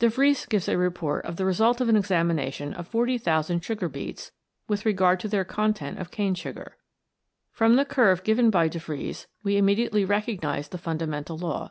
De Vries gives a report of the result of an examination of 40,000 sugar beets with regard to their content of cane sugar. From the curve given by De Vries we immediately recog nise the fundamental law.